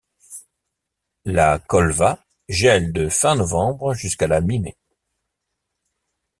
La Kolva gèle de fin novembre jusqu'à la mi-mai.